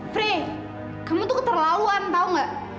fre kamu tuh keterlaluan tau gak